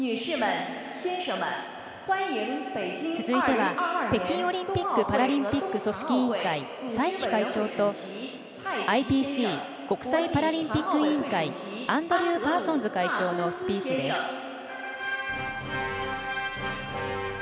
続いては北京オリンピック・パラリンピック組織委員会蔡奇会長とＩＰＣ＝国際パラリンピック委員会アンドリュー・パーソンズ会長のスピーチです。